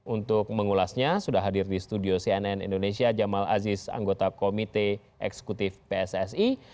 untuk mengulasnya sudah hadir di studio cnn indonesia jamal aziz anggota komite eksekutif pssi